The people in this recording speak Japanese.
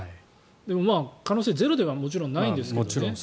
でも、可能性はゼロではもちろんないんですけどね。